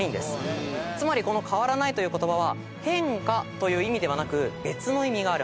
つまりこの「かわらない」という言葉は「変化」という意味ではなく別の意味があるはず。